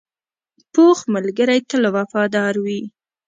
پوخ ملګری تل وفادار وي